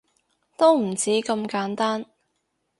都唔止咁簡單